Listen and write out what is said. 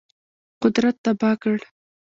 قدرت تباه کړ.